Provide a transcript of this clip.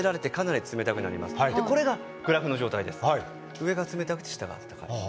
上が冷たくて下があったかい。